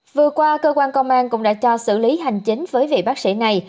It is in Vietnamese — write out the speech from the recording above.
vừa qua cơ quan công an cũng đã cho xử lý hành chính với vị bác sĩ này